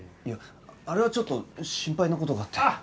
いやあれはちょっと心配な事があって。